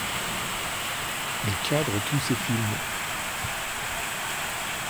Il cadre tous ses films.